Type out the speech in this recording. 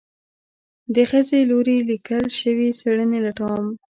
د خځې لوري ليکل شوي څېړنې لټوم